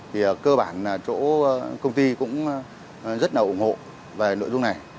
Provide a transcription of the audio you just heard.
thì cơ bản là chỗ công ty cũng rất là ủng hộ về nội dung này